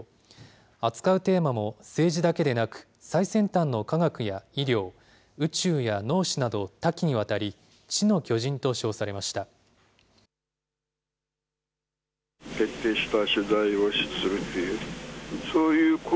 扱うテーマも政治だけでなく、最先端の科学や医療、宇宙や脳死など多岐にわたり、知の巨人と称されました。